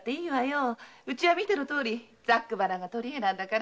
うちは見てのとおりざっくばらんなんだから。